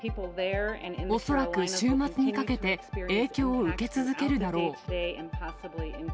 恐らく週末にかけて、影響を受け続けるだろう。